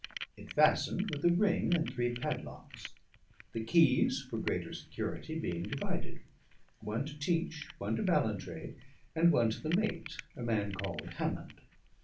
It fastened with a ring and three padlocks, the keys (for greater security) being divided; one to Teach, one to Ballantrae, and one to the mate, a man called Hammond.